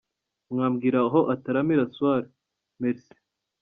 Mwa mbwira aho ataramira soir? Merci.